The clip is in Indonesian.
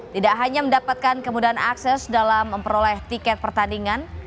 tidak hanya mendapatkan kemudahan akses dalam memperoleh tiket pertandingan